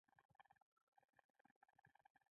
موږ دوستان په خپلو کې ښه سلام دعا لرو.